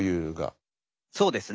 そうですね。